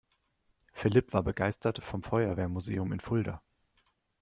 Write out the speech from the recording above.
Philipp war begeistert vom Feuerwehrmuseum in Fulda.